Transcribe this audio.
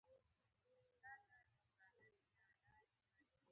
زردالو د صادراتو یوه مهمه برخه ده.